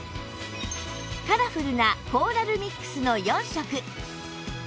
カラフルなコーラルミックスの４色